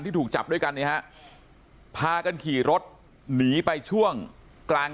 ที่ถูกจับด้วยกันนะครับพากันขี่รถนีไปช่วงกลาง